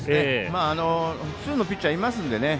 複数のピッチャーいますので。